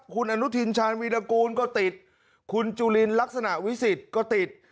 คุณอนุทินชาญวีรกูลก็ติดคุณจุลินลักษณะวิสิทธิ์ก็ติด